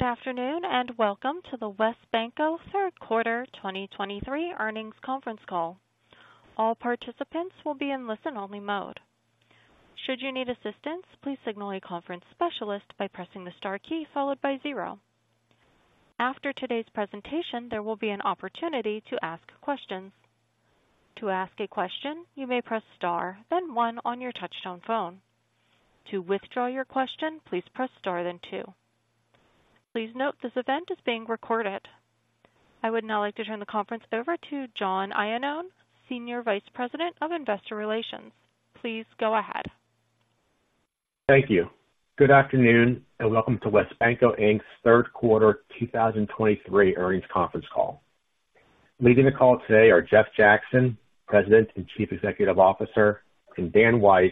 Good afternoon, and welcome to the WesBanco Third Quarter 2023 Earnings Conference Call. All participants will be in listen-only mode. Should you need assistance, please signal a conference specialist by pressing the star key followed by zero. After today's presentation, there will be an opportunity to ask questions. To ask a question, you may press star, then one on your touchtone phone. To withdraw your question, please press star, then two. Please note, this event is being recorded. I would now like to turn the conference over to John Iannone, Senior Vice President of Investor Relations. Please go ahead. Thank you. Good afternoon, and welcome to WesBanco Inc's Third Quarter 2023 Earnings Conference Call. Leading the call today are Jeff Jackson, President and Chief Executive Officer, and Dan Weiss,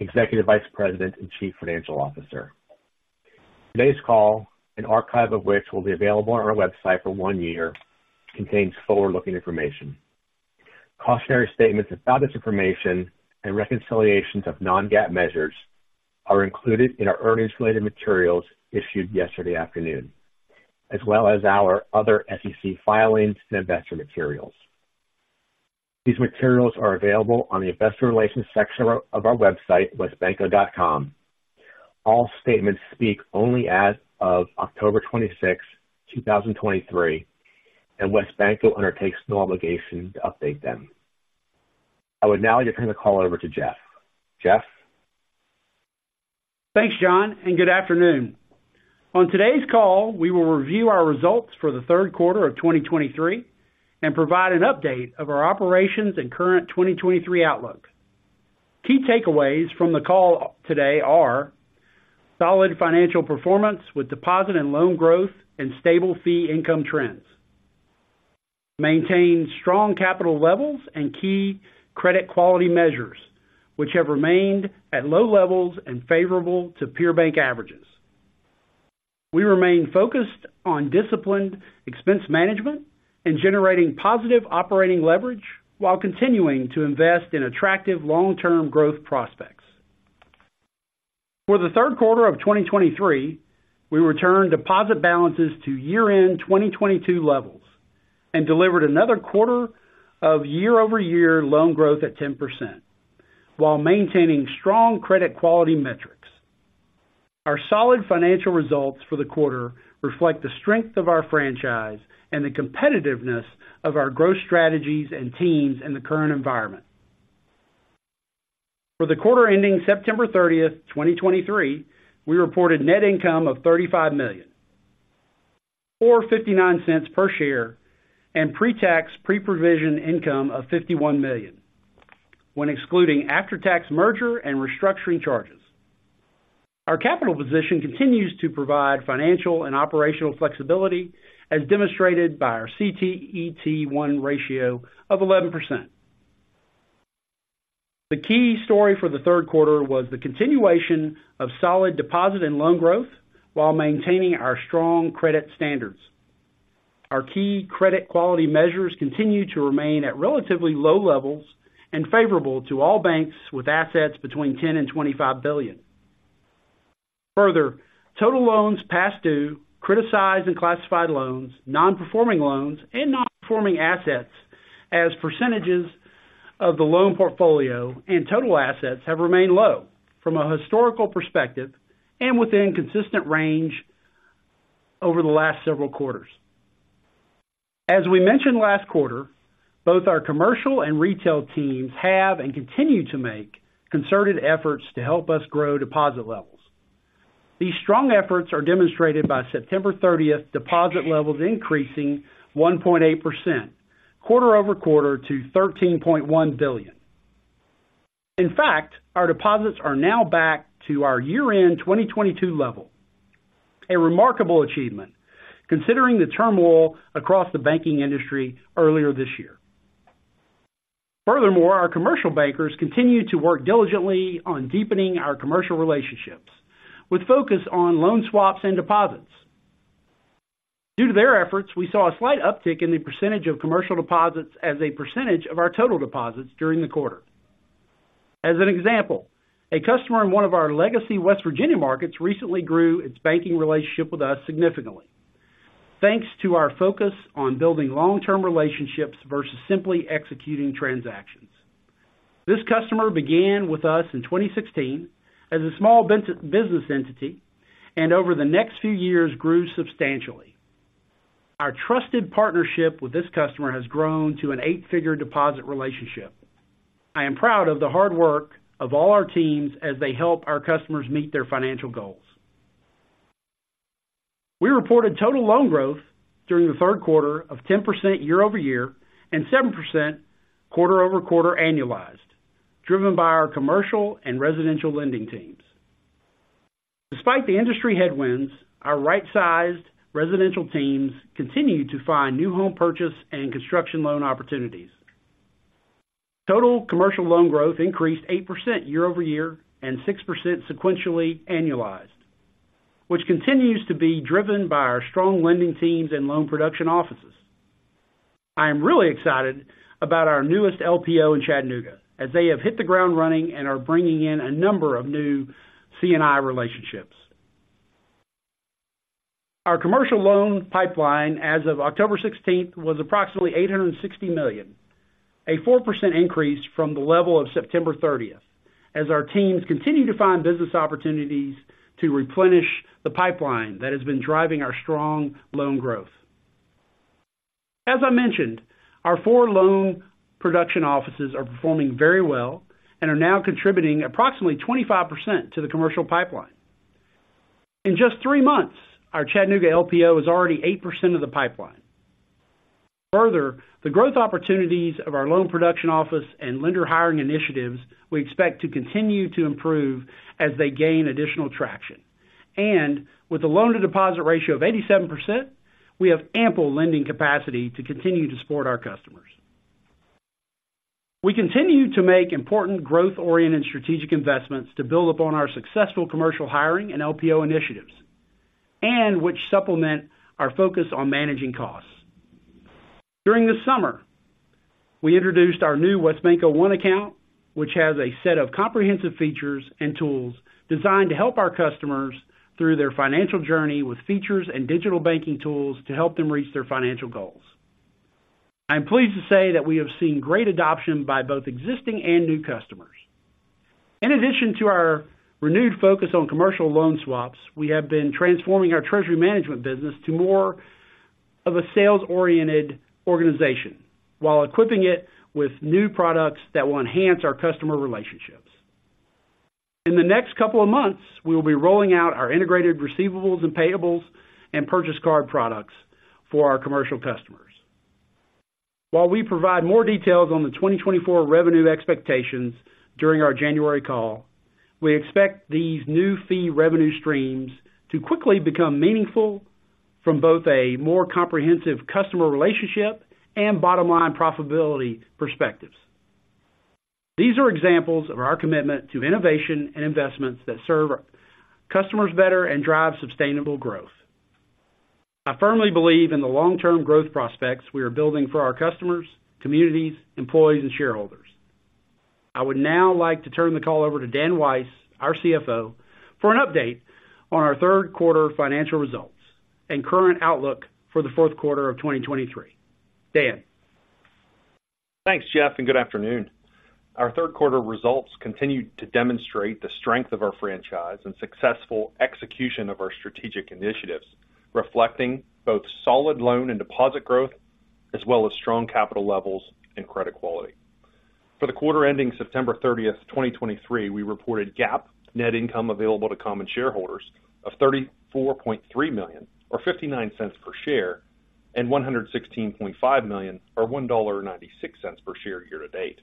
Executive Vice President and Chief Financial Officer. Today's call, an archive of which will be available on our website for 1 year, contains forward-looking information. Cautionary statements about this information and reconciliations of non-GAAP measures are included in our earnings-related materials issued yesterday afternoon, as well as our other SEC filings and investor materials. These materials are available on the Investor Relations section of our website, wesbanco.com. All statements speak only as of October 26th, 2023, and WesBanco undertakes no obligation to update them. I would now like to turn the call over to Jeff. Jeff? Thanks, John, and good afternoon. On today's call, we will review our results for the third quarter of 2023 and provide an update of our operations and current 2023 outlook. Key takeaways from the call today are: solid financial performance with deposit and loan growth and stable fee income trends. Maintain strong capital levels and key credit quality measures, which have remained at low levels and favorable to peer bank averages. We remain focused on disciplined expense management and generating positive operating leverage while continuing to invest in attractive long-term growth prospects. For the third quarter of 2023, we returned deposit balances to year-end 2022 levels and delivered another quarter of year-over-year loan growth at 10%, while maintaining strong credit quality metrics. Our solid financial results for the quarter reflect the strength of our franchise and the competitiveness of our growth strategies and teams in the current environment. For the quarter ending September 30, 2023, we reported net income of $35 million, or $0.59 per share, and pre-tax, pre-provision income of $51 million when excluding after-tax merger and restructuring charges. Our capital position continues to provide financial and operational flexibility, as demonstrated by our CET1 ratio of 11%. The key story for the third quarter was the continuation of solid deposit and loan growth while maintaining our strong credit standards. Our key credit quality measures continue to remain at relatively low levels and favorable to all banks with assets between $10 billion and $25 billion. Further, total loans past due, criticized and classified loans, non-performing loans, and non-performing assets as percentages of the loan portfolio and total assets have remained low from a historical perspective and within consistent range over the last several quarters. As we mentioned last quarter, both our commercial and retail teams have and continue to make concerted efforts to help us grow deposit levels. These strong efforts are demonstrated by September 30th deposit levels increasing 1.8%, quarter-over-quarter to $13.1 billion. In fact, our deposits are now back to our year-end 2022 level, a remarkable achievement considering the turmoil across the banking industry earlier this year. Furthermore, our commercial bankers continue to work diligently on deepening our commercial relationships, with focus on loan swaps and deposits. Due to their efforts, we saw a slight uptick in the percentage of commercial deposits as a percentage of our total deposits during the quarter. As an example, a customer in one of our legacy West Virginia markets recently grew its banking relationship with us significantly, thanks to our focus on building long-term relationships versus simply executing transactions. This customer began with us in 2016 as a small business entity, and over the next few years, grew substantially. Our trusted partnership with this customer has grown to an eight-figure deposit relationship. I am proud of the hard work of all our teams as they help our customers meet their financial goals. We reported total loan growth during the third quarter of 10% year-over-year and 7% quarter-over-quarter annualized, driven by our commercial and residential lending teams. Despite the industry headwinds, our right-sized residential teams continued to find new home purchase and construction loan opportunities. Total commercial loan growth increased 8% year-over-year and 6% sequentially annualized, which continues to be driven by our strong lending teams and loan production offices. I am really excited about our newest LPO in Chattanooga, as they have hit the ground running and are bringing in a number of new C&I relationships. Our commercial loan pipeline as of October 16 was approximately $860 million, a 4% increase from the level of September 30, as our teams continue to find business opportunities to replenish the pipeline that has been driving our strong loan growth. As I mentioned, our four loan production offices are performing very well and are now contributing approximately 25% to the commercial pipeline. In just three months, our Chattanooga LPO is already 8% of the pipeline. Further, the growth opportunities of our loan production office and lender hiring initiatives, we expect to continue to improve as they gain additional traction. With a loan-to-deposit ratio of 87%, we have ample lending capacity to continue to support our customers. We continue to make important growth-oriented strategic investments to build upon our successful commercial hiring and LPO initiatives, and which supplement our focus on managing costs. During the summer, we introduced our new WesBanco One Account, which has a set of comprehensive features and tools designed to help our customers through their financial journey, with features and digital banking tools to help them reach their financial goals. I am pleased to say that we have seen great adoption by both existing and new customers. In addition to our renewed focus on commercial loan swaps, we have been transforming our treasury management business to more of a sales-oriented organization, while equipping it with new products that will enhance our customer relationships. In the next couple of months, we will be rolling out our Integrated Receivables and Payables and Purchase Card products for our commercial customers. While we provide more details on the 2024 revenue expectations during our January call, we expect these new fee revenue streams to quickly become meaningful from both a more comprehensive customer relationship and bottom-line profitability perspectives. These are examples of our commitment to innovation and investments that serve our customers better and drive sustainable growth. I firmly believe in the long-term growth prospects we are building for our customers, communities, employees, and shareholders. I would now like to turn the call over to Dan Weiss, our CFO, for an update on our third quarter financial results and current outlook for the fourth quarter of 2023. Dan? Thanks, Jeff, and good afternoon. Our third quarter results continued to demonstrate the strength of our franchise and successful execution of our strategic initiatives, reflecting both solid loan and deposit growth, as well as strong capital levels and credit quality. For the quarter ending September 30, 2023, we reported GAAP net income available to common shareholders of $34.3 million, or $0.59 per share, and $116.5 million, or $1.96 per share year to date.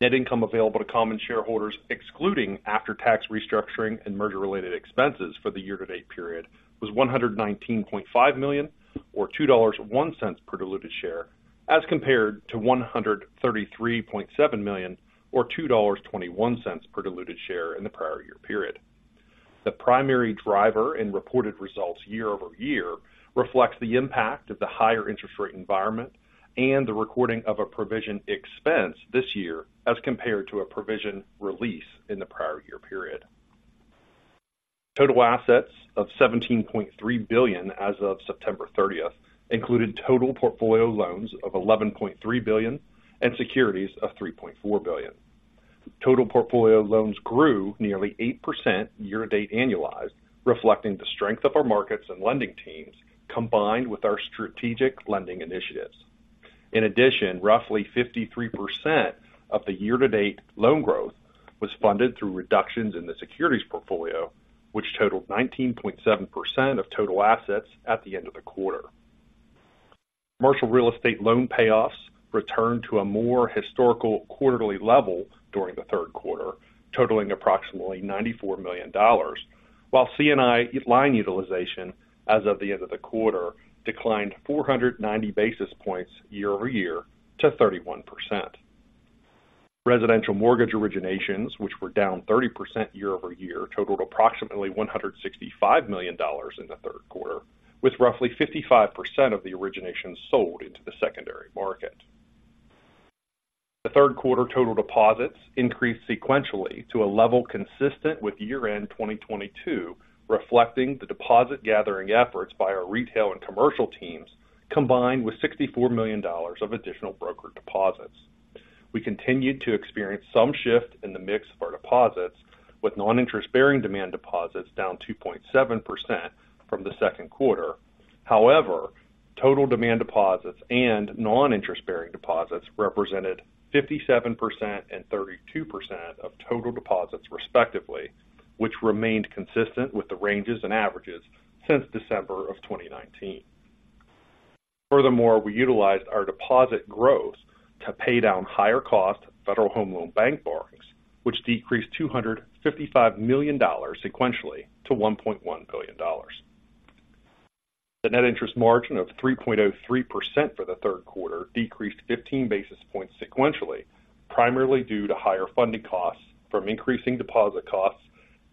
Net income available to common shareholders, excluding after-tax restructuring and merger-related expenses for the year-to-date period, was $119.5 million, or $2.01 per diluted share, as compared to $133.7 million, or $2.21 per diluted share in the prior year period. The primary driver in reported results year-over-year reflects the impact of the higher interest rate environment and the recording of a provision expense this year, as compared to a provision release in the prior year period. Total assets of $17.3 billion as of September 30 included total portfolio loans of $11.3 billion and securities of $3.4 billion. Total portfolio loans grew nearly 8% year-to-date annualized, reflecting the strength of our markets and lending teams, combined with our strategic lending initiatives. In addition, roughly 53% of the year-to-date loan growth was funded through reductions in the securities portfolio, which totaled 19.7% of total assets at the end of the quarter. Commercial real estate loan payoffs returned to a more historical quarterly level during the third quarter, totaling approximately $94 million, while C&I line utilization as of the end of the quarter declined 490 basis points year-over-year to 31%. Residential mortgage originations, which were down 30% year-over-year, totaled approximately $165 million in the third quarter, with roughly 55% of the originations sold into the secondary market. The third quarter total deposits increased sequentially to a level consistent with year-end 2022, reflecting the deposit gathering efforts by our retail and commercial teams, combined with $64 million of additional brokered deposits. We continued to experience some shift in the mix of our deposits, with non-interest-bearing demand deposits down 2.7% from the second quarter. However, total demand deposits and non-interest-bearing deposits represented 57% and 32% of total deposits, respectively, which remained consistent with the ranges and averages since December 2019. Furthermore, we utilized our deposit growth to pay down higher cost Federal Home Loan Bank borrowings, which decreased $255 million sequentially to $1.1 billion. The net interest margin of 3.03% for the third quarter decreased 15 basis points sequentially, primarily due to higher funding costs from increasing deposit costs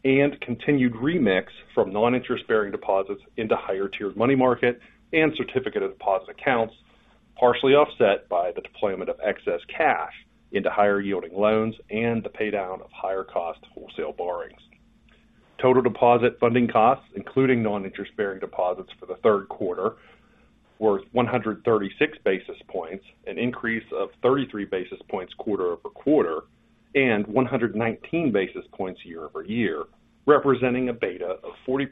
and continued remix from non-interest bearing deposits into higher tiered money market and certificate of deposit accounts, partially offset by the deployment of excess cash into higher yielding loans and the paydown of higher cost wholesale borrowings. Total deposit funding costs, including non-interest bearing deposits for the third quarter, were 136 basis points, an increase of 33 basis points quarter-over-quarter, and 119 basis points year-over-year, representing a beta of 40%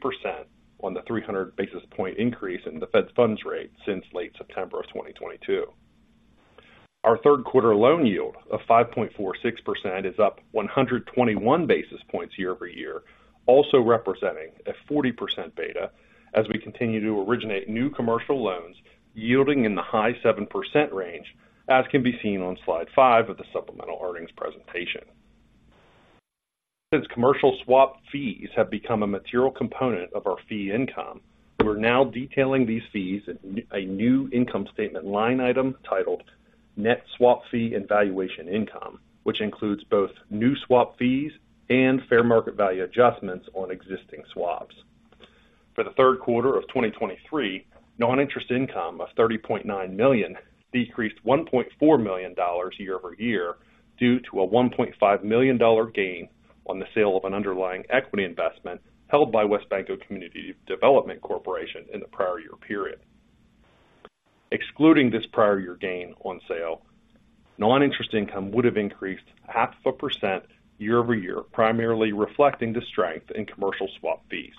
on the 300 basis point increase in the Fed funds rate since late September of 2022. Our third quarter loan yield of 5.46% is up 121 basis points year-over-year, also representing a 40% beta as we continue to originate new commercial loans yielding in the high 7% range, as can be seen on slide 5 of the supplemental earnings presentation. Since commercial swap fees have become a material component of our fee income, we're now detailing these fees in a new income statement line item titled Net Swap Fee and Valuation Income, which includes both new swap fees and fair market value adjustments on existing swaps. For the third quarter of 2023, non-interest income of $30.9 million decreased $1.4 million year-over-year, due to a $1.5 million gain on the sale of an underlying equity investment held by WesBanco Bank Community Development Corporation in the prior year period. Excluding this prior year gain on sale, non-interest income would have increased 0.5% year-over-year, primarily reflecting the strength in commercial swap fees.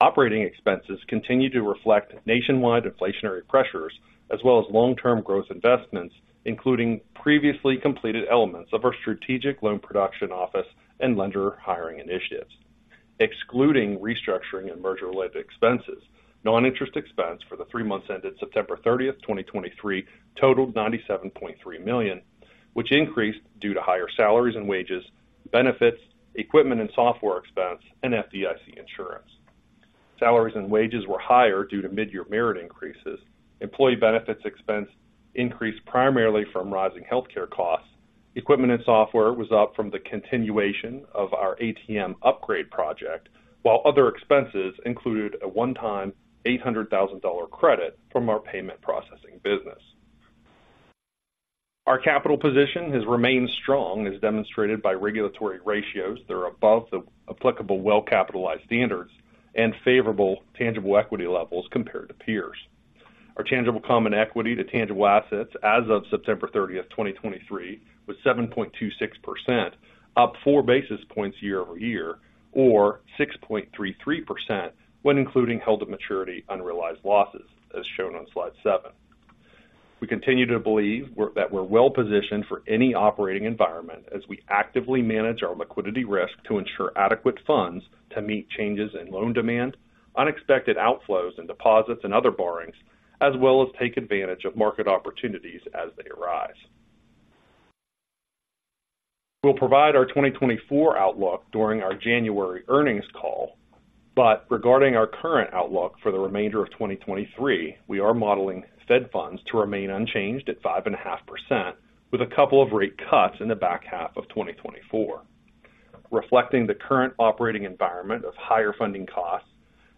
Operating expenses continue to reflect nationwide inflationary pressures, as well as long-term growth investments, including previously completed elements of our strategic loan production office and lender hiring initiatives. Excluding restructuring and merger-related expenses, non-interest expense for the three months ended September 30, 2023, totaled $97.3 million, which increased due to higher salaries and wages, benefits, equipment and software expense, and FDIC insurance. Salaries and wages were higher due to mid-year merit increases. Employee benefits expense increased primarily from rising healthcare costs. Equipment and software was up from the continuation of our ATM upgrade project, while other expenses included a one-time $800,000 credit from our payment processing business. Our capital position has remained strong, as demonstrated by regulatory ratios that are above the applicable well-capitalized standards and favorable tangible equity levels compared to peers. Our tangible common equity to tangible assets as of September 30, 2023, was 7.26%, up 4 basis points year-over-year, or 6.33% when including held to maturity unrealized losses, as shown on slide 7. We continue to believe we're well positioned for any operating environment as we actively manage our liquidity risk to ensure adequate funds to meet changes in loan demand, unexpected outflows in deposits and other borrowings, as well as take advantage of market opportunities as they arise. We'll provide our 2024 outlook during our January earnings call, but regarding our current outlook for the remainder of 2023, we are modeling Fed funds to remain unchanged at 5.5%, with a couple of rate cuts in the back half of 2024. Reflecting the current operating environment of higher funding costs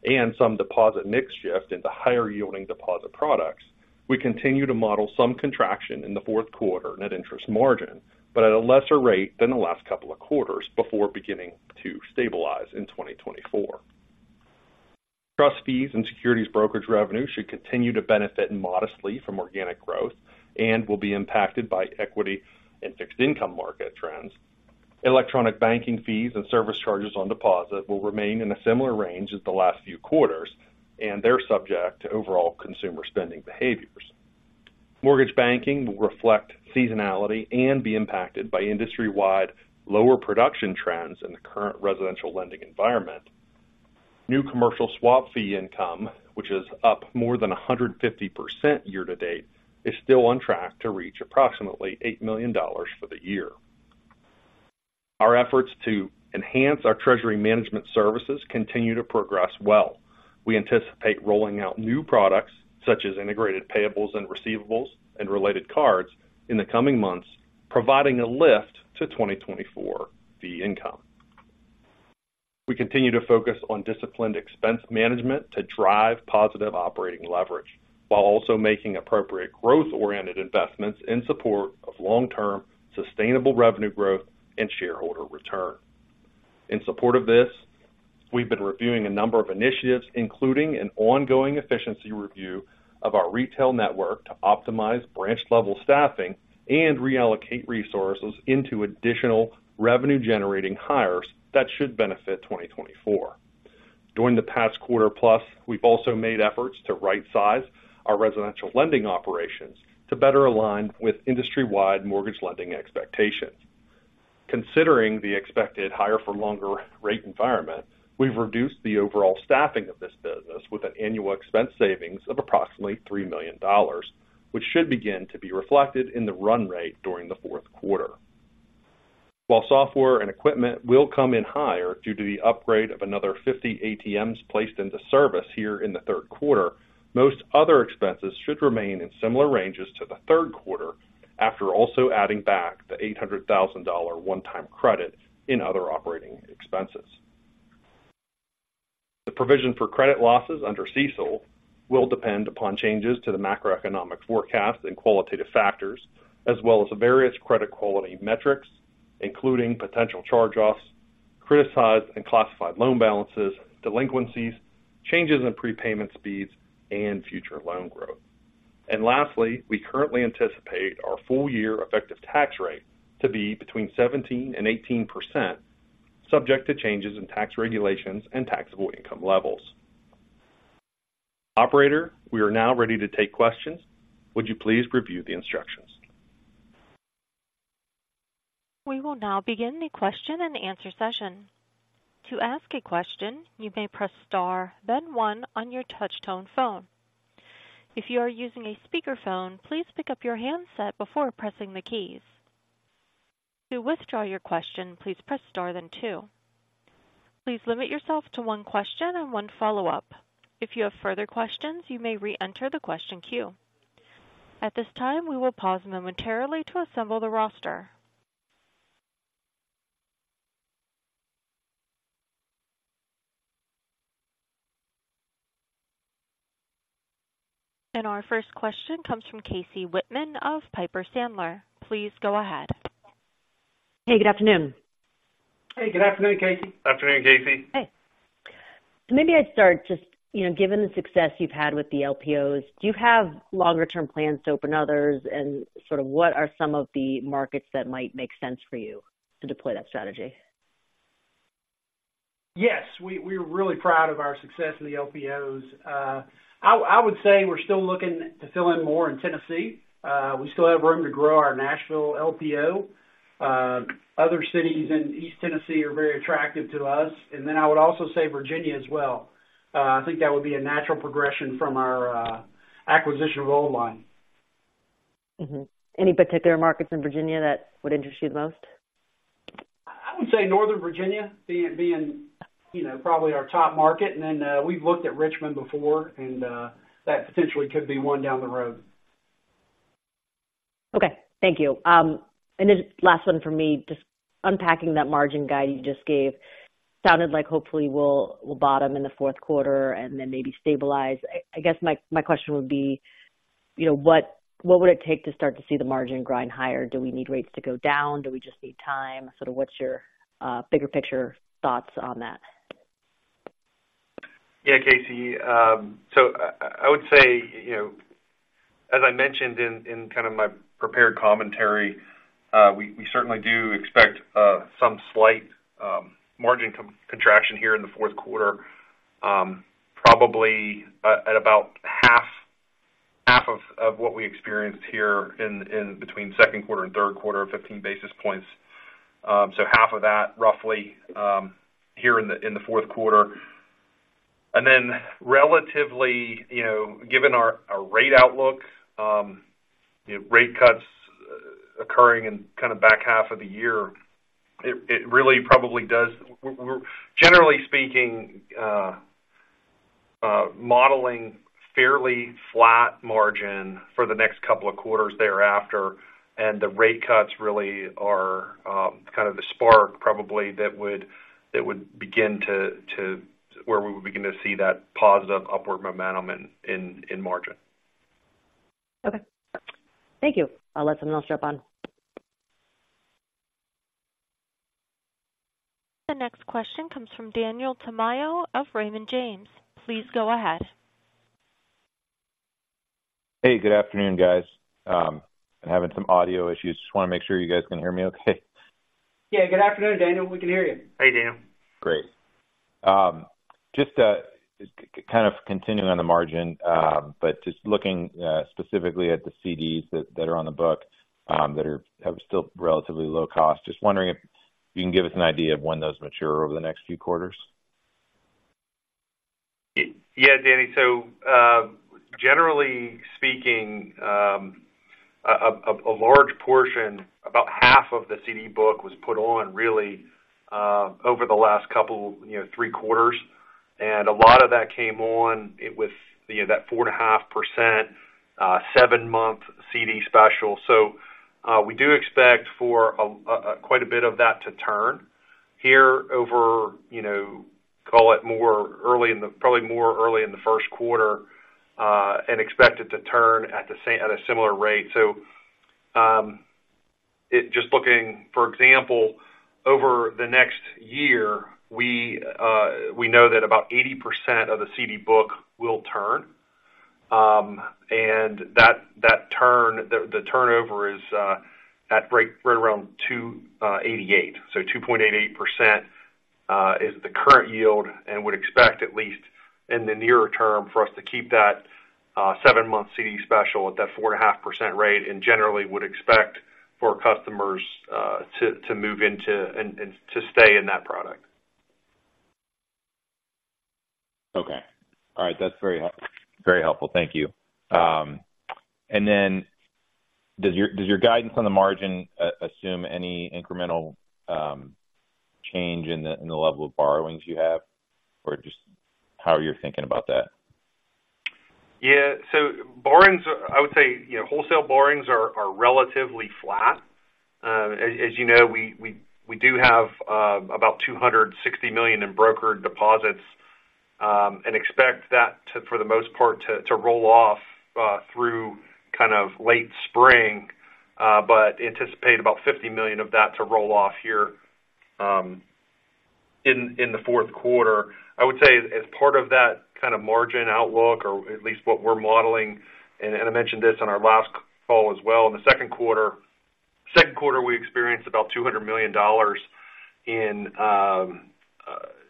and some deposit mix shift into higher yielding deposit products, we continue to model some contraction in the fourth quarter net interest margin, but at a lesser rate than the last couple of quarters, before beginning to stabilize in 2024. Trust fees and securities brokerage revenue should continue to benefit modestly from organic growth and will be impacted by equity and fixed income market trends. Electronic banking fees and service charges on deposit will remain in a similar range as the last few quarters, and they're subject to overall consumer spending behaviors. Mortgage banking will reflect seasonality and be impacted by industry-wide lower production trends in the current residential lending environment. New commercial swap fee income, which is up more than 150% year to date, is still on track to reach approximately $8 million for the year. Our efforts to enhance our treasury management services continue to progress well. We anticipate rolling out new products, such as Integrated Payables and Integrated Receivables and related cards in the coming months, providing a lift to 2024 fee income. We continue to focus on disciplined expense management to drive positive operating leverage, while also making appropriate growth-oriented investments in support of long-term, sustainable revenue growth and shareholder return. In support of this, we've been reviewing a number of initiatives, including an ongoing efficiency review of our retail network, to optimize branch-level staffing and reallocate resources into additional revenue-generating hires that should benefit 2024. During the past quarter plus, we've also made efforts to rightsize our residential lending operations to better align with industry-wide mortgage lending expectations. Considering the expected higher for longer rate environment, we've reduced the overall staffing of this business with an annual expense savings of approximately $3 million, which should begin to be reflected in the run rate during the fourth quarter, while software and equipment will come in higher due to the upgrade of another 50 ATMs placed into service here in the third quarter. Most other expenses should remain in similar ranges to the third quarter, after also adding back the $800,000 one-time credit in other operating expenses. The provision for credit losses under CECL will depend upon changes to the macroeconomic forecast and qualitative factors, as well as various credit quality metrics, including potential charge-offs, criticized and classified loan balances, delinquencies, changes in prepayment speeds, and future loan growth. Lastly, we currently anticipate our full year effective tax rate to be between 17%-18%, subject to changes in tax regulations and taxable income levels. Operator, we are now ready to take questions. Would you please review the instructions? We will now begin the Q&A session. To ask a question, you may press star, then one on your touch tone phone. If you are using a speakerphone, please pick up your handset before pressing the keys. To withdraw your question, please press star then two. Please limit yourself to one question and one follow-up. If you have further questions, you may reenter the question queue. At this time, we will pause momentarily to assemble the roster. Our first question comes from Casey Whitman of Piper Sandler. Please go ahead. Hey, good afternoon. Hey, good afternoon, Casey. Afternoon, Casey. Hey. So, maybe I'd start just, you know, given the success you've had with the LPOs, do you have longer term plans to open others? And sort of what are some of the markets that might make sense for you to deploy that strategy? Yes, we're really proud of our success in the LPOs. I would say we're still looking to fill in more in Tennessee. We still have room to grow our Nashville LPO. Other cities in East Tennessee are very attractive to us, and then I would also say Virginia as well. I think that would be a natural progression from our acquisition of Old Line. Mm-hmm. Any particular markets in Virginia that would interest you the most? I would say Northern Virginia being you know probably our top market. And then we've looked at Richmond before and that potentially could be one down the road. Okay, thank you. And this last one for me, just unpacking that margin guide you just gave, sounded like hopefully we'll bottom in the fourth quarter and then maybe stabilize. I guess my question would be, you know, what would it take to start to see the margin grind higher? Do we need rates to go down? Do we just need time? Sort of, what's your bigger picture thoughts on that? Yeah, Casey, so I would say, you know, as I mentioned in kind of my prepared commentary, we certainly do expect some slight margin contraction here in the fourth quarter, probably at about half of what we experienced here in between second quarter and third quarter, 15 basis points. So, half of that roughly here in the fourth quarter. And then relatively, you know, given our rate outlook, you know, rate cuts occurring in kind of back half of the year, it really probably does. We're generally speaking modeling fairly flat margin for the next couple of quarters thereafter, and the rate cuts really are kind of the spark, probably, that would begin to where we would begin to see that positive upward momentum in margin. Okay. Thank you. I'll let someone else jump on. The next question comes from Daniel Tamayo of Raymond James. Please go ahead. Hey, good afternoon, guys. I'm having some audio issues. Just want to make sure you guys can hear me okay. Yeah. Good afternoon, Daniel. We can hear you. Hey, Daniel. Great. Just to kind of continuing on the margin, but just looking specifically at the CDs that, that are on the book, that are have still relatively low cost. Just wondering if you can give us an idea of when those mature over the next few quarters. Yeah, Danny. Generally speaking, a large portion, about half of the CD book, was put on really over the last couple, you know, three quarters, and a lot of that came on with, you know, that 4.5% seven-month CD special. We do expect for quite a bit of that to turn here over, you know, call it more early in the—probably more early in the first quarter, and expect it to turn at the same, at a similar rate. Just looking, for example, over the next year, we know that about 80% of the CD book will turn, and that turn, the turnover is at break, right around 2.88. 2.88% is the current yield and would expect at least in the near term, for us to keep that seven-month CD special at that 4.5% rate, and generally would expect for customers to move into and to stay in that product. All right, that's very helpful. Thank you. Does your guidance on the margin assume any incremental change in the level of borrowings you have, or just how are you thinking about that? Yeah, so borrowings, I would say, you know, wholesale borrowings are relatively flat. As you know, we do have about $260 million in brokered deposits, and expect that, for the most part, to roll off through kind of late spring, but anticipate about $50 million of that to roll off here in the fourth quarter. I would say as part of that kind of margin outlook, or at least what we're modeling, and I mentioned this on our last call as well, in the second quarter, we experienced about $200 million in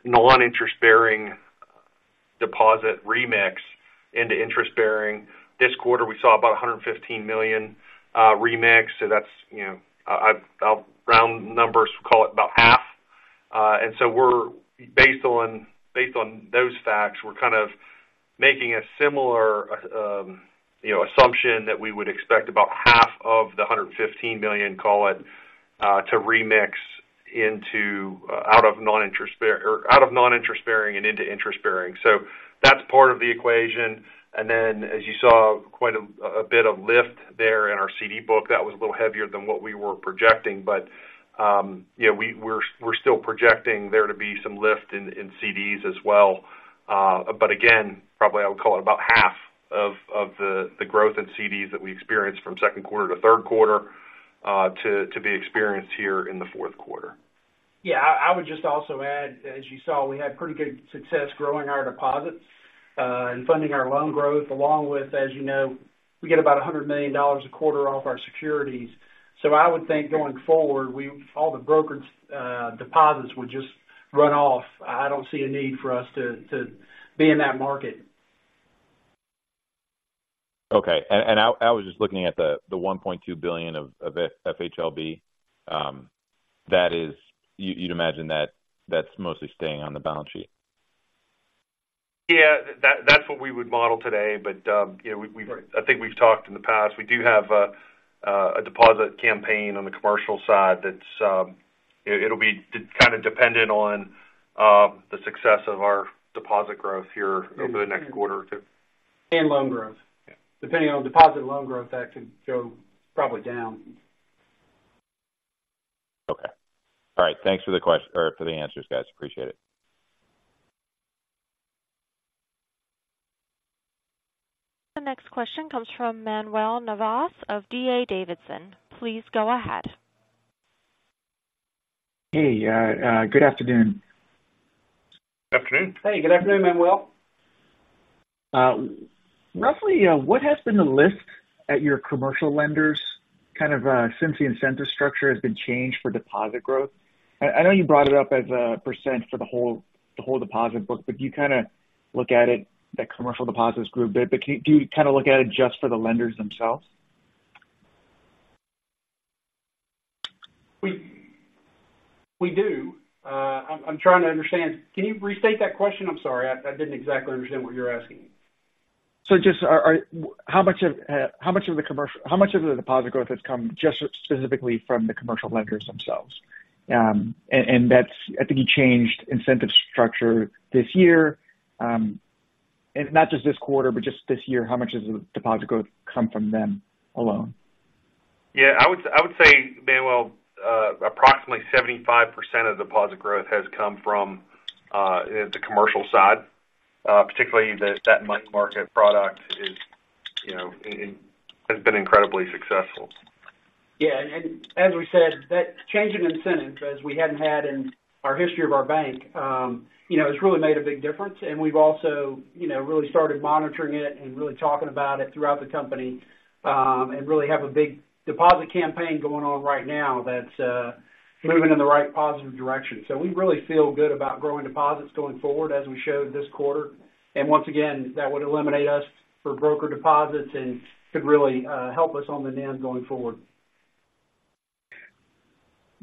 non-interest-bearing deposit remix into interest-bearing. This quarter, we saw about $115 million remix, so that's, you know, I'll round numbers, call it about half. We're based on, based on those facts, we're kind of making a similar, you know, assumption that we would expect about half of the $115 million, call it, to remix into, out of non-interest-bearing and into interest-bearing. That's part of the equation. As you saw, quite a bit of lift there in our CD book, that was a little heavier than what we were projecting. You know, we're still projecting there to be some lift in CDs as well. Again, probably I would call it about half of the growth in CDs that we experienced from second quarter to third quarter to be experienced here in the fourth quarter. Yeah. I would just also add, as you saw, we had pretty good success growing our deposits and funding our loan growth, along with, as you know, we get about $100 million a quarter off our securities. So, I would think going forward, we, all the brokers' deposits would just run off. I don't see a need for us to be in that market. Okay. And I was just looking at the $1.2 billion of FHLB that is—you'd imagine that that's mostly staying on the balance sheet? Yeah, that's what we would model today. But, you know, I think we've talked in the past. We do have a deposit campaign on the commercial side that's, it, it'll be kind of dependent on the success of our deposit growth here over the next quarter or two. Loan growth. Yeah. Depending on deposit and loan growth, that could go probably down. Okay. All right. Thanks for the answers, guys. Appreciate it. The next question comes from Manuel Navas of D.A. Davidson. Please go ahead. Hey, good afternoon. Afternoon. Hey, good afternoon, Manuel. Roughly, what has been the lift at your commercial lenders, kind of, since the incentive structure has been changed for deposit growth? I know you brought it up as a percent for the whole, the whole deposit book, but you kind of look at it, that commercial deposits grew a bit, but do you kind of look at it just for the lenders themselves? We do. I'm trying to understand. Can you restate that question? I'm sorry. I didn't exactly understand what you're asking. Just, are, are, How much of, how much of the commercial-- how much of the deposit growth has come just specifically from the commercial lenders themselves? I think you changed incentive structure this year. Not just this quarter, but this year, how much has the deposit growth come from them alone? Yeah, I would, I would say, Manuel, approximately 75% of deposit growth has come from the commercial side, particularly that money market product is, you know, and has been incredibly successful. Yeah. And, and as we said, that change in incentive, as we hadn't had in our history of our bank, you know, it's really made a big difference, and we've also, you know, really started monitoring it and really talking about it throughout the company, and really have a big deposit campaign going on right now that's moving in the right positive direction. So, we really feel good about growing deposits going forward, as we showed this quarter. And once again, that would eliminate us for broker deposits and could really help us on the NIM going forward.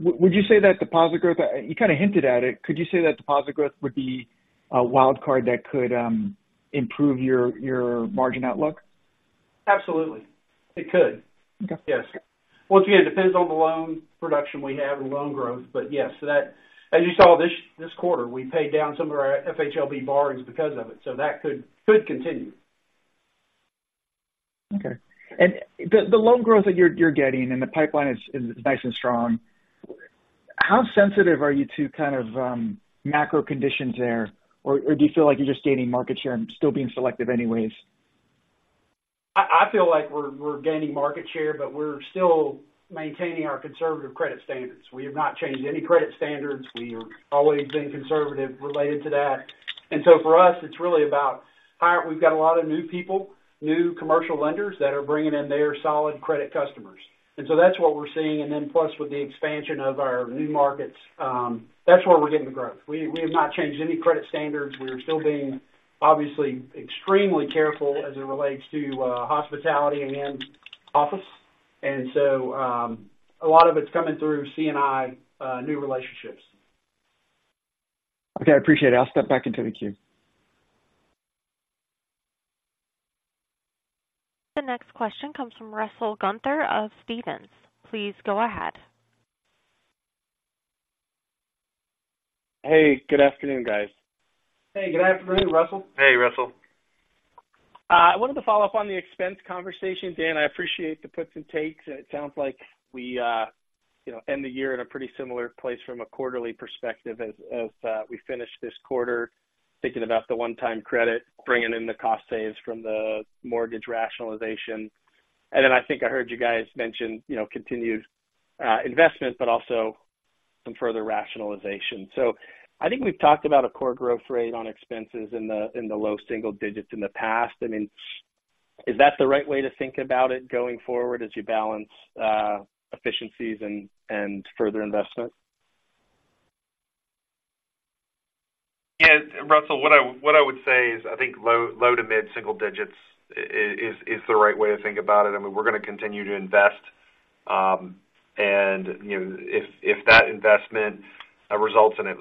Would you say that deposit growth, you kind of hinted at it, could you say that deposit growth would be a wild card that could improve your margin outlook? Absolutely. It could. Okay. Yes. Once again, it depends on the loan production we have and loan growth, but yes. So that, as you saw this quarter, we paid down some of our FHLB borrowings because of it, so that could continue. Okay. And the loan growth that you're getting and the pipeline is nice and strong, how sensitive are you to kind of macro conditions there? Or do you feel like you're just gaining market share and still being selective anyways? I feel like we're gaining market share, but we're still maintaining our conservative credit standards. We have not changed any credit standards. We have always been conservative related to that. And so for us, it's really about we've got a lot of new people, new commercial lenders, that are bringing in their solid credit customers. And so that's what we're seeing. And then plus, with the expansion of our new markets, that's where we're getting the growth. We have not changed any credit standards. We are still being obviously extremely careful as it relates to hospitality and office. And so a lot of it's coming through C&I, new relationships. Okay, I appreciate it. I'll step back into the queue. The next question comes from Russell Gunther of Stephens. Please go ahead. Hey, good afternoon, guys. Hey, good afternoon, Russell. Hey, Russell. I wanted to follow up on the expense conversation. Dan, I appreciate the puts and takes, and it sounds like we, you know, end the year in a pretty similar place from a quarterly perspective as we finish this quarter, thinking about the one-time credit, bringing in the cost saves from the mortgage rationalization. And then I think I heard you guys mention, you know, continued investment, but also some further rationalization. So, I think we've talked about a core growth rate on expenses in the low single digits in the past. I mean, is that the right way to think about it going forward as you balance efficiencies and further investment? Yeah, Russell, what I would say is, I think low to mid single digits is the right way to think about it. I mean, we're going to continue to invest. And, you know, if that investment results in a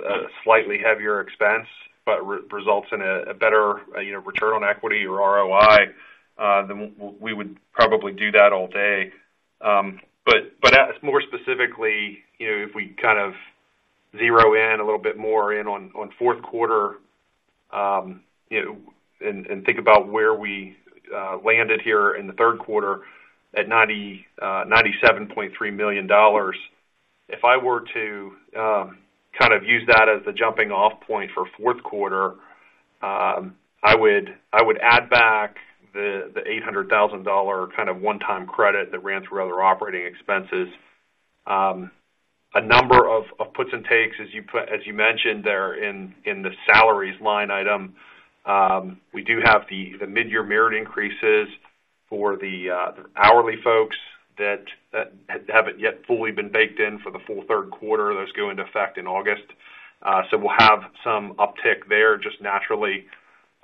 slightly heavier expense, but results in a better, you know, return on equity or ROI, then we would probably do that all day. But as more specifically, you know, if we kind of zero in a little bit more on fourth quarter, you know, and think about where we landed here in the third quarter at $97.3 million. If I were to kind of use that as the jumping off point for fourth quarter, I would add back the $800,000 kind of one-time credit that ran through other operating expenses. A number of puts and takes, as you mentioned there in the salaries line item. We do have the mid-year merit increases for the hourly folks that haven't yet fully been baked in for the full third quarter. Those go into effect in August. So, we'll have some uptick there just naturally.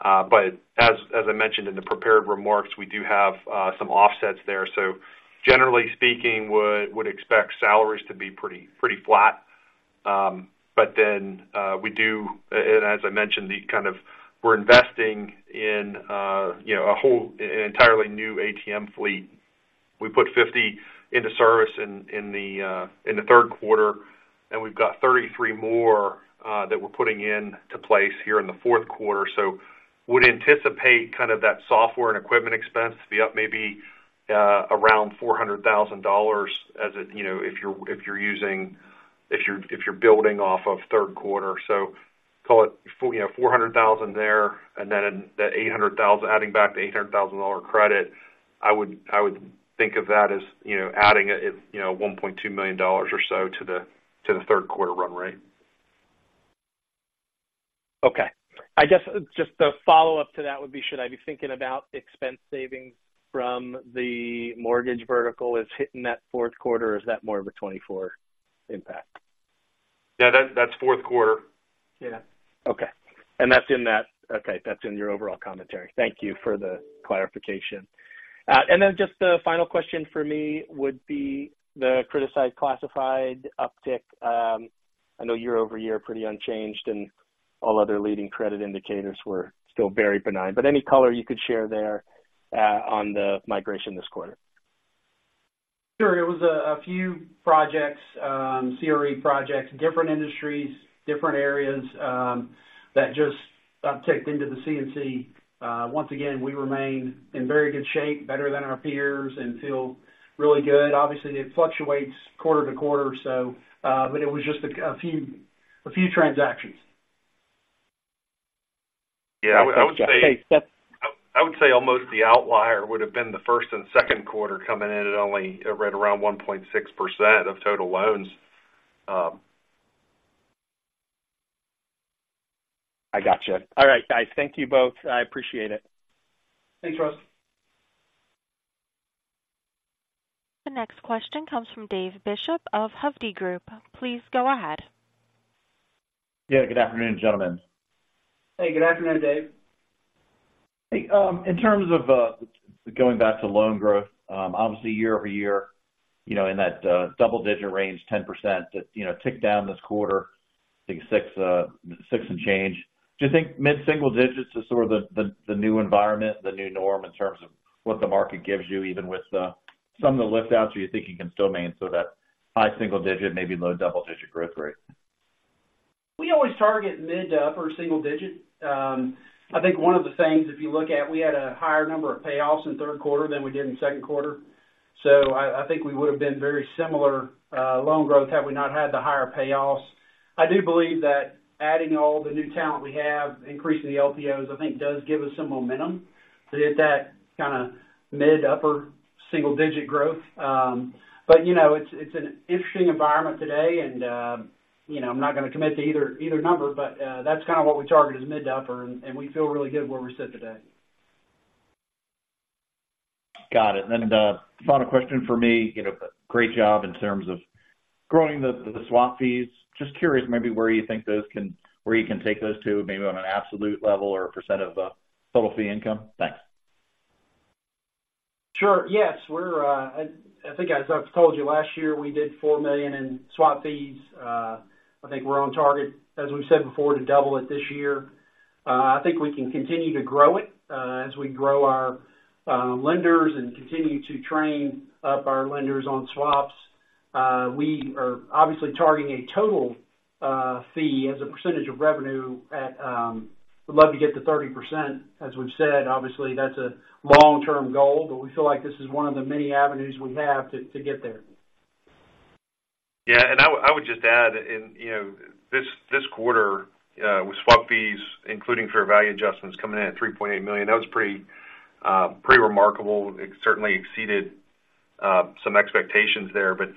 But as I mentioned in the prepared remarks, we do have some offsets there. So, generally speaking, would expect salaries to be pretty flat. We do-- and as I mentioned, the kind of-- we're investing in, you know, a whole, an entirely new ATM fleet. We put 50 into service in, in the, in the third quarter, and we've got 33 more that we're putting into place here in the fourth quarter. Would anticipate kind of that software and equipment expense to be up maybe, you know, around $400,000, as it-- you know, if you're, if you're using-- if you're, if you're building off of third quarter. Call it, you know, $400,000 there, and then the $800,000-- adding back the $800,000 credit, I would, I would think of that as, you know, adding, you know, $1.2 million or so to the, to the third quarter run rate. Okay. I guess just the follow-up to that would be, should I be thinking about expense savings from the mortgage vertical as hitting that fourth quarter, or is that more of a 2024 impact? Yeah, that's, that's fourth quarter. Yeah. Okay. And that's in your overall commentary. Thank you for the clarification. And then just a final question for me would be the criticized classified uptick. I know year-over-year, pretty unchanged, and all other leading credit indicators were still very benign. But any color you could share there on the migration this quarter? Sure. It was a few projects, CRE projects, different industries, different areas, that just upticked into the CNC. Once again, we remain in very good shape, better than our peers, and feel really good. Obviously, it fluctuates quarter to quarter, so but it was just a few transactions. Yeah, I would say- Okay. I would say almost the outlier would have been the first and second quarter coming in at only right around 1.6% of total loans. I gotcha. All right, guys. Thank you both. I appreciate it. Thanks, Russell. The next question comes from Dave Bishop of Hovde Group. Please go ahead. Yeah, good afternoon, gentlemen. Hey, good afternoon, Dave. Hey, in terms of going back to loan growth, obviously year over year, you know, in that double-digit range, 10% that, you know, ticked down this quarter, I think 6 and change. Do you think mid-single digits is sort of the new environment, the new norm in terms of what the market gives you, even with some of the lift outs, or you think you can still maintain so that high single-digit, maybe low double-digit growth rate? We always target mid to upper single digit. I think one of the things, if you look at, we had a higher number of payoffs in the third quarter than we did in the second quarter. So, I think we would have been very similar, loan growth had we not had the higher payoffs. I do believe that adding all the new talent we have, increasing the LPOs, I think does give us some momentum to hit that kind of mid upper single digit growth. But, you know, it's, it's an interesting environment today, and, you know, I'm not going to commit to either, either number, but, that's kind of what we target is mid to upper, and we feel really good where we sit today. Got it. The final question for me, you know, great job in terms of growing the swap fees. Just curious, maybe where you think those can—where you can take those to, maybe on an absolute level or a percent of total fee income. Thanks. Sure. Yes, we're, I think as I've told you last year, we did $4 million in swap fees. I think we're on target, as we've said before, to double it this year. I think we can continue to grow it, as we grow our lenders and continue to train up our lenders on swaps. We are obviously targeting a total fee as a percentage of revenue at, we'd love to get to 30%, as we've said, obviously, that's a long-term goal, but we feel like this is one of the many avenues we have to get there. Yeah, and I would, I would just add in, you know, this, this quarter, with swap fees, including fair value adjustments coming in at $3.8 million, that was pretty, pretty remarkable. It certainly exceeded, some expectations there. But,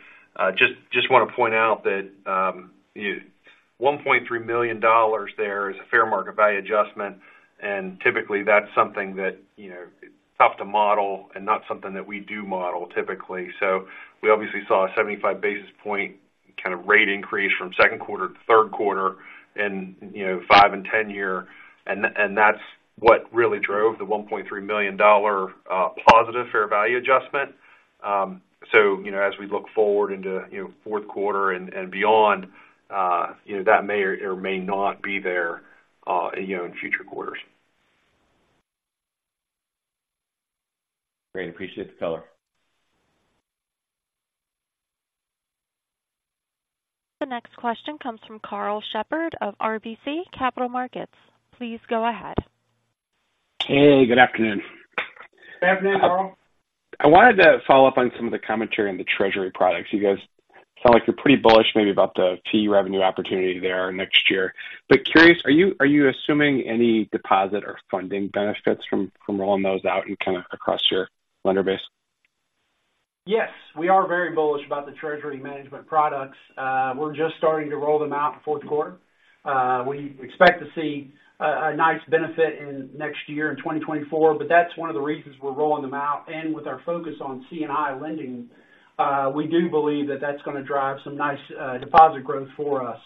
just, just want to point out that, you-- $1.3 million dollars there is a fair market value adjustment, and typically, that's something that, you know, it's tough to model and not something that we do model typically. So, we obviously saw a 75-basis point kind of rate increase from second quarter to third quarter and, you know, 5- and 10-year, and th- and that's what really drove the $1.3 million-dollar, positive fair value adjustment. So, you know, as we look forward into, you know, fourth quarter and beyond, you know, that may or may not be there, you know, in future quarters. Great. Appreciate the color. The next question comes from Karl Shepard of RBC Capital Markets. Please go ahead. Hey, good afternoon. Good afternoon, Karl. I wanted to follow up on some of the commentary on the treasury products. You guys sound like you're pretty bullish, maybe about the fee revenue opportunity there next year. But curious, are you assuming any deposit or funding benefits from rolling those out and kind of across your lender base? Yes, we are very bullish about the treasury management products. We're just starting to roll them out for fourth quarter. We expect to see a nice benefit in next year in 2024, but that's one of the reasons we're rolling them out. And with our focus on C&I lending, we do believe that that's gonna drive some nice deposit growth for us.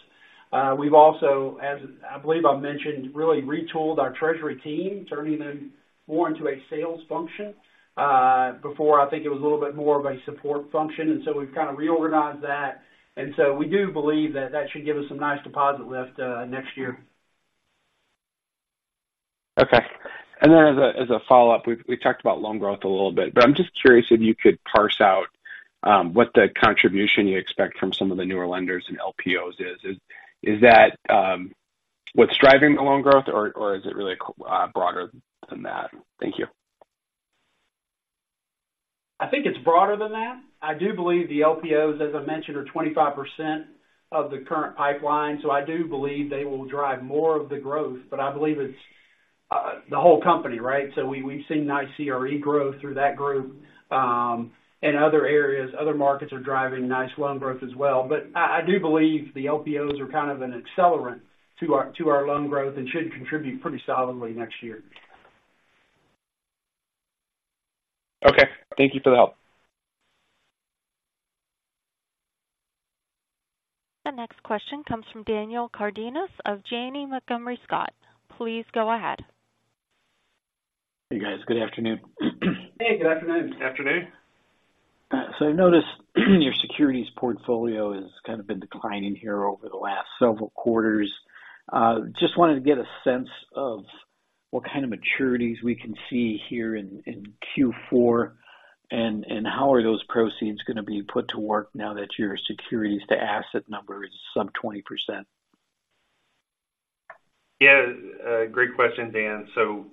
We've also, as I believe I mentioned, really retooled our treasury team, turning them more into a sales function. Before, I think it was a little bit more of a support function, and so we've kind of reorganized that, and so we do believe that that should give us some nice deposit lift next year. Okay. And then as a follow-up, we've talked about loan growth a little bit, but I'm just curious if you could parse out what the contribution you expect from some of the newer lenders and LPOs is. Is that what's driving the loan growth or is it really broader than that? Thank you. I think it's broader than that. I do believe the LPOs, as I mentioned, are 25% of the current pipeline, so I do believe they will drive more of the growth, but I believe it's the whole company, right? So, we've seen nice CRE growth through that group, and other areas, other markets are driving nice loan growth as well. But I do believe the LPOs are kind of an accelerant to our loan growth and should contribute pretty solidly next year. Okay. Thank you for the help. The next question comes from Daniel Cardenas of Janney Montgomery Scott. Please go ahead. Hey, guys. Good afternoon. Hey, good afternoon. Afternoon. So, I've noticed your securities portfolio has kind of been declining here over the last several quarters. Just wanted to get a sense of what kind of maturities we can see here in Q4, and how are those proceeds gonna be put to work now that your securities to asset number is sub 20%? Yeah, great question, Dan. So,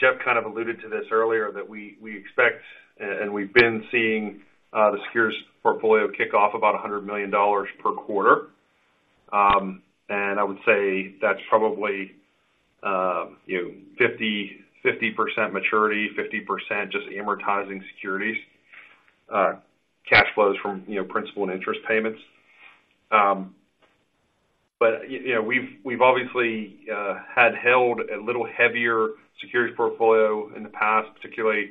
Jeff kind of alluded to this earlier, that we expect and we've been seeing the securities portfolio kick off about $100 million per quarter. And I would say that's probably, you know, 50-50% maturity, 50% just amortizing securities, cash flows from, you know, principal and interest payments. But you know, we've obviously had held a little heavier securities portfolio in the past, particularly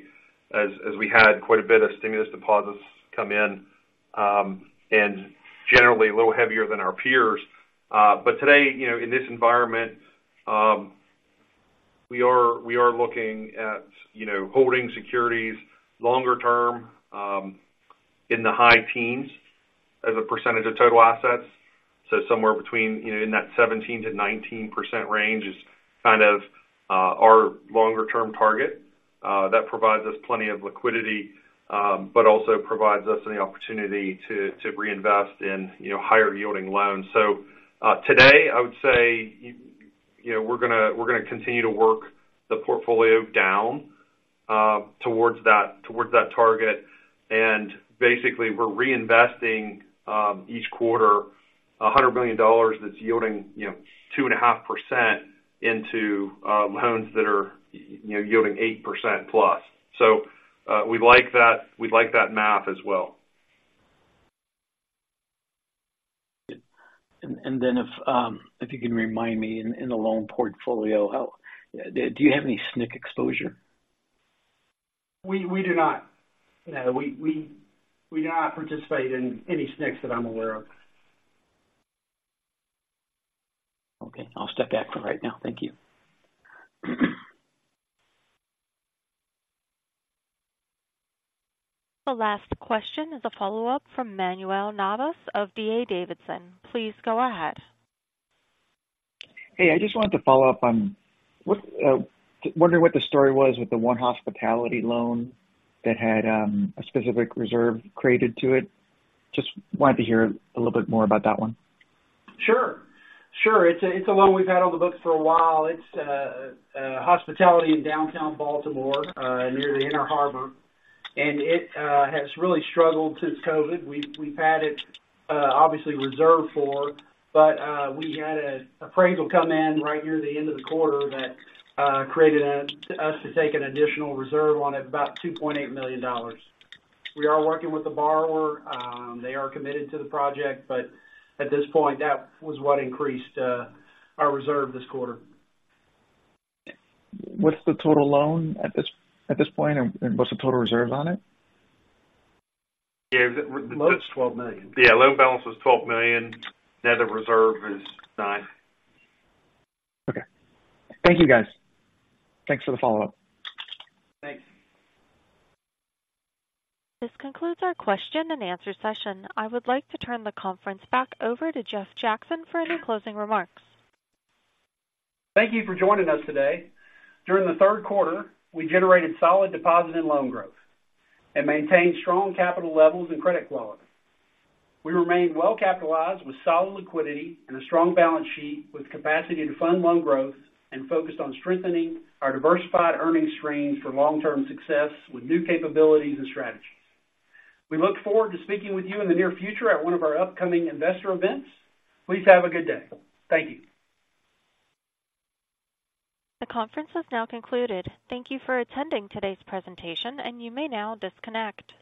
as we had quite a bit of stimulus deposits come in, and generally a little heavier than our peers. But today, you know, in this environment, we are looking at, you know, holding securities longer term in the high teens% of total assets. So somewhere between, you know, in that 17%-19% range is kind of our longer-term target. That provides us plenty of liquidity, but also provides us the opportunity to reinvest in, you know, higher yielding loans. So, today, I would say, you know, we're gonna continue to work the portfolio down towards that target. And basically, we're reinvesting each quarter, $100 million that's yielding, you know, 2.5% into loans that are, you know, yielding 8%+. So, we like that, we like that math as well. Good. And then if you can remind me in the loan portfolio, how do you have any SNC exposure? We do not. No, we do not participate in any SNCs that I'm aware of. Okay, I'll step back for right now. Thank you. The last question is a follow-up from Manuel Navas of D.A. Davidson. Please go ahead. Hey, I just wanted to follow up on what, wondering what the story was with the one hospitality loan that had a specific reserve created to it. Just wanted to hear a little bit more about that one. Sure. Sure. It's a, it's a loan we've had on the books for a while. It's a hospitality in downtown Baltimore, near the Inner Harbor, and it has really struggled since COVID. We've had it obviously reserved for, but we had an appraisal come in right near the end of the quarter that created us to take an additional reserve on it, about $2.8 million. We are working with the borrower. They are committed to the project, but at this point, that was what increased our reserve this quarter. What's the total loan at this point, and what's the total reserves on it? Yeah, the loan- Twelve million. Yeah, loan balance was $12 million. Net reserve is $9 million. Okay. Thank you, guys. Thanks for the follow-up. Thanks. This concludes our Q&A session. I would like to turn the conference back over to Jeff Jackson for any closing remarks. Thank you for joining us today. During the third quarter, we generated solid deposit and loan growth and maintained strong capital levels and credit quality. We remain well-capitalized with solid liquidity and a strong balance sheet, with capacity to fund loan growth and focused on strengthening our diversified earnings streams for long-term success with new capabilities and strategies. We look forward to speaking with you in the near future at one of our upcoming investor events. Please have a good day. Thank you. The conference has now concluded. Thank you for attending today's presentation, and you may now disconnect.